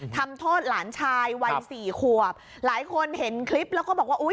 ทำโทษหลานชายวัยสี่ขวบหลายคนเห็นคลิปแล้วก็บอกว่าอุ้ย